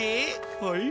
はい？